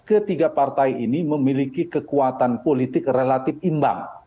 ketiga partai ini memiliki kekuatan politik relatif imbang